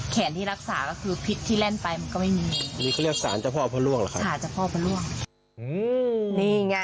แขนที่รักษาก็คือพิษที่แล่นไปมันก็ไม่มี